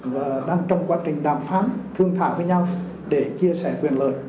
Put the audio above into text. và đang trong quá trình đàm phán thương thảo với nhau để chia sẻ quyền lợi